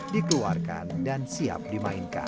dikeluarkan dan siap dimainkan